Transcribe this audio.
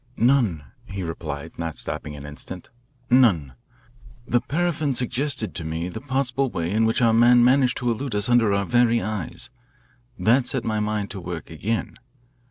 "None," he replied, not stopping an instant. "None. The paraffin suggested to me the possible way in which our man managed to elude us under our very eyes. That set my mind at work again.